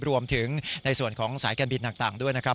รวมถึงในส่วนของสายการบินต่างด้วยนะครับ